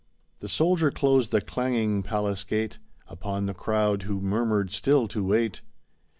The soldier closed the clanging palace gate Upon the crowd who murmured still to wait.